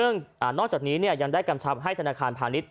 ซึ่งนอกจากนี้ยังได้กำชับให้ธนาคารพาณิชย